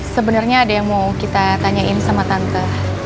sebenarnya ada yang mau kita tanyain sama tante